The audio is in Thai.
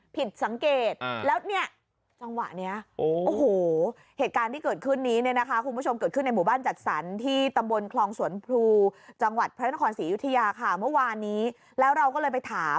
ปิดสังเกทแล้วเนี่ยจังหวะเนี่ยโอ้โหเหตุการณ์ที่เกิดขึ้นนี้นะนะคะ